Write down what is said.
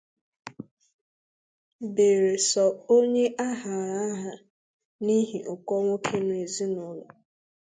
beere sọ onye a hara àhà n'ihi ụkọ nwoke n'ezinaụlọ